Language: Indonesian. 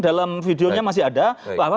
dalam videonya masih ada bahwa